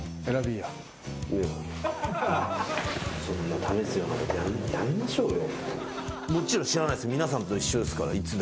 そんな試すようなことやめましょうよ。